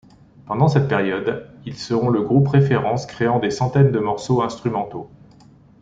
Pendant cette période, ils seront le groupe référence créant des centaines de morceaux instrumentaux.